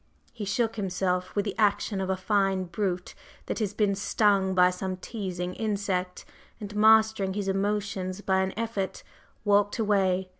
He shook himself with the action of a fine brute that has been stung by some teasing insect, and, mastering his emotions by an effort, walked away.